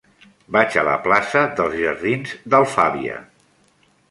Vaig a la plaça dels Jardins d'Alfàbia.